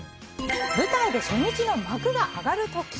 舞台で初日の幕が上がる時。